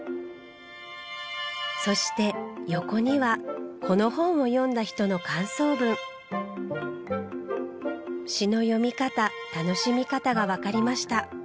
そして横にはこの本を読んだ人の感想文「詩の読み方楽しみ方がわかりました」